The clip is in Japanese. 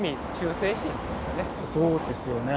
そうですよね。